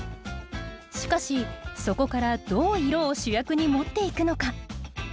しかしそこからどう色を主役に持っていくのか。